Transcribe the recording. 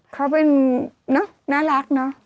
เขาเป็นน่ารักเนอะ